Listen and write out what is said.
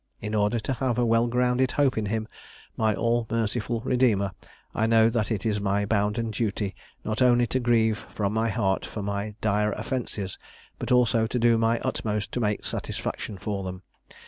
In order to have a well grounded hope in him, my all merciful Redeemer, I know that it is my bounden duty not only to grieve from my heart for my dire offences, but also to do my utmost to make satisfaction for them.